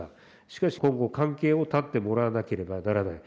しかし、今後、関係を断ってもらわなければならない。